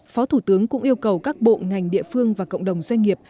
phó thủ tướng cũng yêu cầu các bộ ngành địa phương và cộng đồng doanh nghiệp